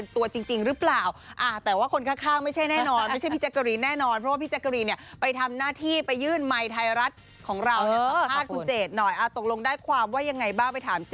ถือว่าครบปีหรือยังคะที่แบบครบกันอะไรอย่างนี้ครับ